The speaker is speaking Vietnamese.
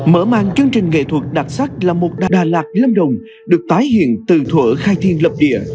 mở màn chương trình nghệ thuật đặc sắc là một đà lạt lâm đồng được tái hiện từ thủa khai thiên lập địa